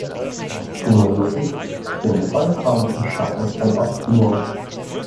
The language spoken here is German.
Die Molukken stehen vollkommen im Schatten von Ost-Timor.